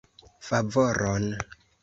Favoron!